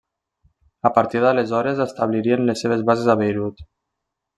A partir d'aleshores establirien les seves bases a Beirut.